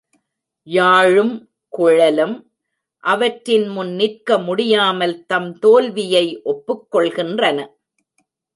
யாழும் குழலும் அவற்றின்முன் நிற்க முடியாமல் தம் தோல்வியை ஒப்புக்கொள்கின்றன.